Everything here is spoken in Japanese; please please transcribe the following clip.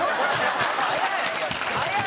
早い！